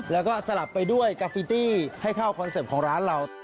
แล้วก็สลับไปด้วยกาฟิตี้ให้เข้าคอนเสิร์ตของร้านเรา